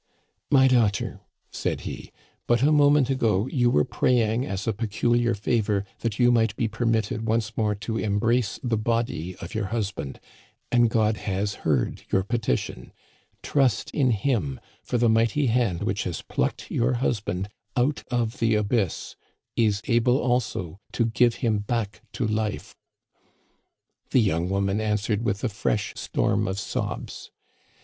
'* My daughter," said he, " but a moment ago you were praying as a peculiar favor that you might be per mitted once more to embrace the body of your husband, and God has heard your petition. Trust in him, for the mighty hand which has plucked your husband out of the Digitized by VjOOQIC THE BREAKING UP OF THE ICE. 75 abyss is able also to give him back to life." The young woman answered with a fresh storm of sobs.